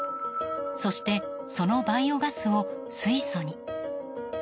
そしてそのバイオガスを水素に。